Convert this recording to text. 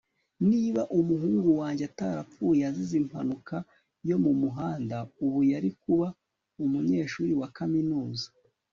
Niba umuhungu wanjye atarapfuye azize impanuka yo mumuhanda ubu yari kuba umunyeshuri wa kaminuza